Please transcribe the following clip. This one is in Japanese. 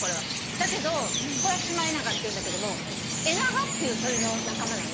だけどこれはシマエナガっていうんだけどもエナガっていう鳥の仲間なのね。